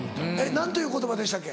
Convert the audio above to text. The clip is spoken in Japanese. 何という言葉でしたっけ？